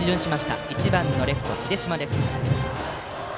打席は１番のレフト秀嶋です。